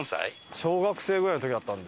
小学生ぐらいの時だったんで。